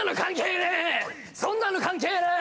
そんなの関係ねえ！